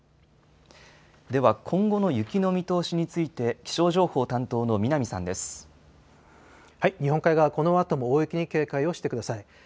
では、今後の雪の見通しについて、日本海側、このあとも大雪に警戒をしてください。